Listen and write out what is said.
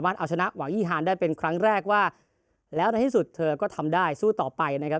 เพราะเมย์จะเจอกับในกีฬาเต็มเมย์ดาวนะคะ